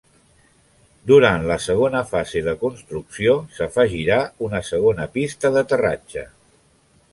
Durant la segona fase de construcció s'afegirà una segona pista d'aterratge.